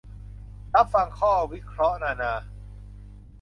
"รับฟังข้อวิเคราะห์นานา"